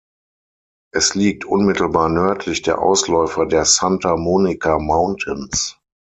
Es liegt unmittelbar nördlich der Ausläufer der Santa Monica Mountains.